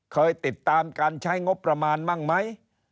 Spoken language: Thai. เคยติดตามการใช้งบประมาณบ้างไหม